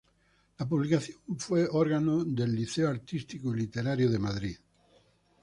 La publicación fue órgano del Liceo Artístico y Literario de Madrid.